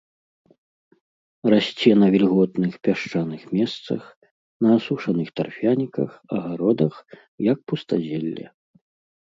Расце на вільготных пясчаных месцах, на асушаных тарфяніках, агародах, як пустазелле.